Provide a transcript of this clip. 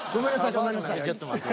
ちょっと待ってよ。